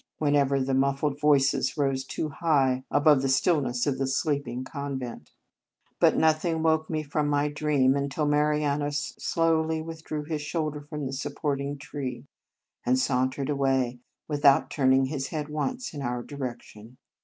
" whenever the muffled voices rose too high above the stillness of the sleep ing convent; but nothing woke me from my dreams until Marianus slowly withdrew his shoulder from the sup porting tree, and sauntered away, without turning his head once in our direction.